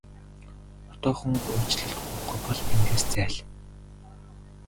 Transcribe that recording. Одоохон уучлалт гуйхгүй бол эндээс зайл!